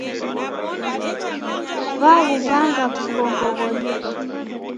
W'aghuw'anga w'ukongo gholiw'a.